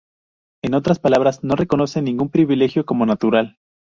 En otras palabras, no reconoce ningún privilegio como natural.